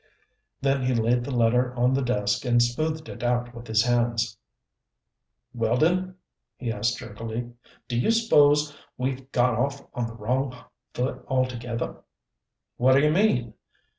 Then he laid the letter on the desk and smoothed it out with his hands. "Weldon?" he asked jerkily. "Do you s'pose we've got off on the wrong foot, altogether?" "What d'ye mean?"